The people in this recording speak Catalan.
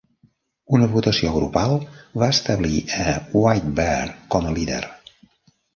Una votació grupal va establir a Whitebear com a líder.